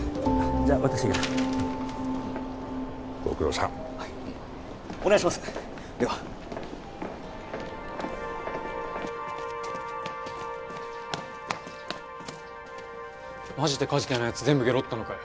じゃあ私がご苦労さんお願いしますではマジで梶田のやつ全部ゲロったのかよ！？